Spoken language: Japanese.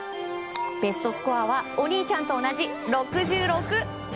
ベストスコアはお兄ちゃんと同じ６６。